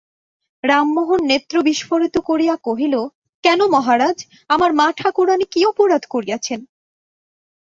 রামমোহন নেত্র বিস্ফারিত করিয়া কহিল, কেন মহারাজ, আমার মা-ঠাকুরানী কী অপরাধ করিয়াছেন?